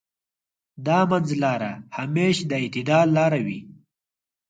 د منځ لاره همېش د اعتدال لاره وي.